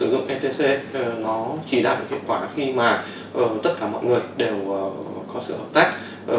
việc sử dụng etc nó chỉ đạt được kết quả khi mà tất cả mọi người đều có sự hợp tác